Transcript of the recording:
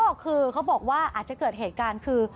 ก็คือเขาบอกว่าอาจจะเกิดเหตุการณ์คือ